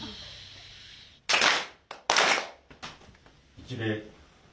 一礼。